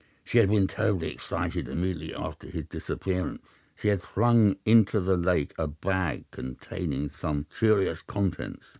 She had been terribly excited immediately after his disappearance. She had flung into the lake a bag containing some curious contents.